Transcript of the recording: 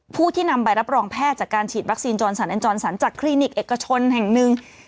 ผู้ที่นำใบรับรองแพทย์จากการฉีดวัคซีนจรสันแอนจรสันจากคลินิกเอกชนแห่งหนึ่ง